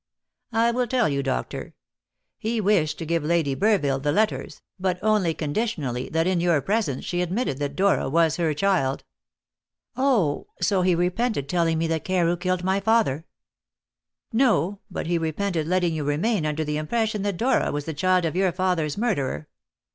"I will tell you, doctor. He wished to give Lady Burville the letters, but only conditionally that in your presence she admitted that Dora was her child." "Oh! so he repented telling me that Carew killed my father?" "No; but he repented letting you remain under the impression that Dora was the child of your father's murderer.